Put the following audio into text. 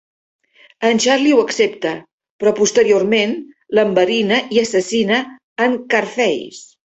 En Charlie ho accepta, però posteriorment l'enverina i assassina en Carface.